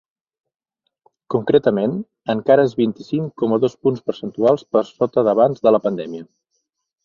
Concretament, encara és vint-i-cinc coma dos punts percentuals per sota d’abans de la pandèmia.